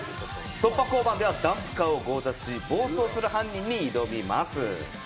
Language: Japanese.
突破交番ではダンプカーを強奪し、暴走する犯人に挑みます。